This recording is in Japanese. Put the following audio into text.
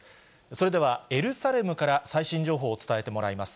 それでは、エルサレムから最新情報を伝えてもらいます。